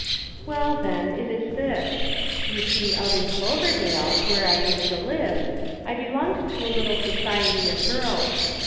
" Well then, it is this. You see out in Clov erdale, where I used to live, I belonged to a little society of girls.